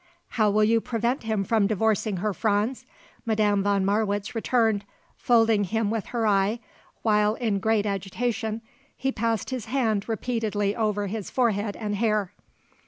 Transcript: "How will you prevent him from divorcing her, Franz?" Madame von Marwitz returned, holding him with her eye, while, in great agitation, he passed his hand repeatedly over his forehead and hair.